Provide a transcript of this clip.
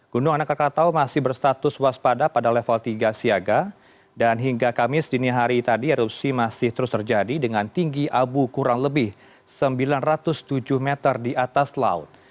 gunung anak rakatau masih berstatus waspada pada level tiga siaga dan hingga kamis dini hari tadi erupsi masih terus terjadi dengan tinggi abu kurang lebih sembilan ratus tujuh meter di atas laut